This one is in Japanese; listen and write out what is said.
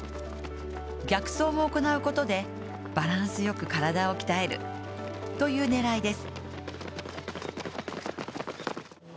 逆走も行うことでバランス良く体を鍛えるという狙いです。